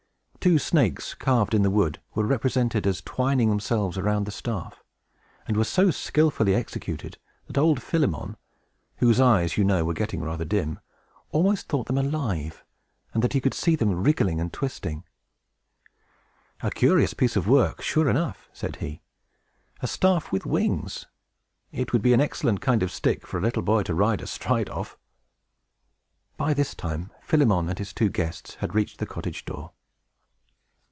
Two snakes, carved in the wood, were represented as twining themselves about the staff, and were so very skillfully executed that old Philemon (whose eyes, you know, were getting rather dim) almost thought them alive, and that he could see them wriggling and twisting. "A curious piece of work, sure enough!" said he. "A staff with wings! It would be an excellent kind of stick for a little boy to ride astride of!" By this time, Philemon and his two guests had reached the cottage door.